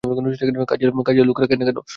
কাজের লোক রাখেন না কেন?